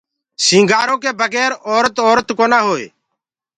سينٚگآرو ڪي بگير اورَت اورَت ڪونآ هوئي۔